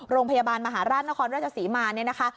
โรงพยาบาลมหาราชนครราชศรีมาเนี่ยนะคะ